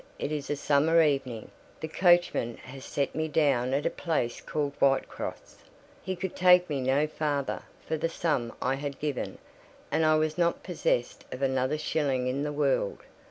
It is a summer evening; the coachman has set me down at a place called Whitcross; he could take me no farther for the sum I had given, and I was not possessed of another shilling in the world.